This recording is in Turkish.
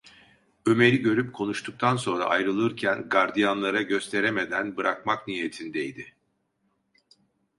Ömer’i görüp konuştuktan sonra ayrılırken, gardiyanlara gösteremeden, bırakmak niyetindeydi.